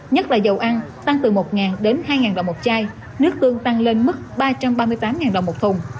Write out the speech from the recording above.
nhất là dầu ăn tăng từ một đến hai đồng một chai nước tương tăng lên mức ba trăm ba mươi tám đồng một thùng